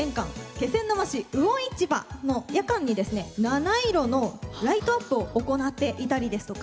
気仙沼市魚市場の夜間にですねなないろのライトアップを行っていたりですとか